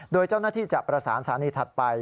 โดยเจ้าหน้าที่จะประสานสถานีถัดไป